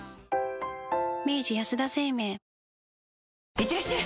いってらっしゃい！